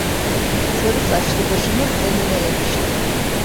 Sarı saçlı başını önüne eğmişti.